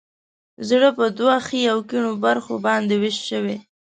زړه په دوو ښي او کیڼو برخو باندې ویش شوی.